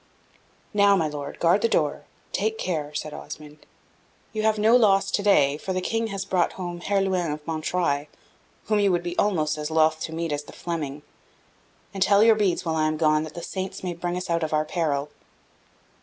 "Now, my Lord, guard the door take care," said Osmond; "you have no loss to day, for the King has brought home Herluin of Montreuil, whom you would be almost as loth to meet as the Fleming. And tell your beads while I am gone, that the Saints may bring us out of our peril."